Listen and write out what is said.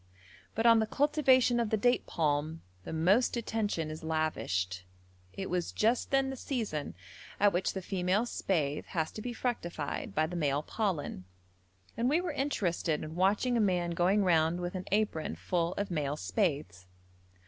But on the cultivation of the date palm the most attention is lavished; it was just then the season at which the female spathe has to be fructified by the male pollen, and we were interested in watching a man going round with an apron full of male spathes.